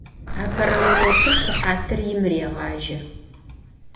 Apere vurokır sıhatır yim rêğaje.